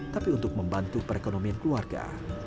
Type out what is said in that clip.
tapi untuk membantu perekonomian keluarga